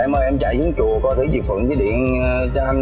em ơi em chạy đến chùa coi thử chị phượng chứ điện cho anh